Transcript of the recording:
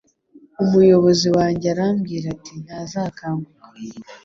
Umuyobozi wanjye arambwira ati Ntazakanguka